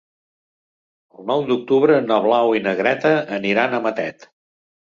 El nou d'octubre na Blau i na Greta aniran a Matet.